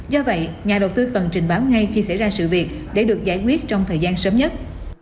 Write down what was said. do vậy nhà đầu tư cần trình báo ngay khi xảy ra sự việc để được giải quyết trong thời gian sớm nhất